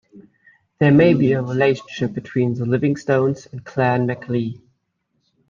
There may be a relationship between the Livingstones and Clan MacLea.